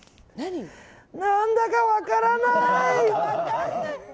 何だか分からない！